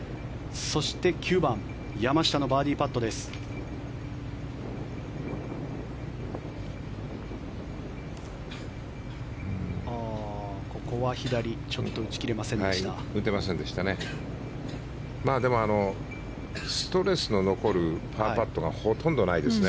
そして９番山下のバーディーパットです。